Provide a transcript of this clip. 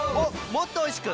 もっとおいしく！